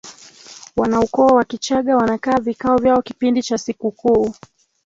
wanaukoo wa kichaga wanakaa vikao vyao kipindi cha sikukuu